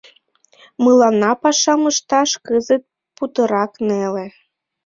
Мыланна пашам ышташ кызыт путырак неле.